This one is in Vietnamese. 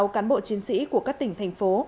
hai mươi sáu cán bộ chiến sĩ của các tỉnh thành phố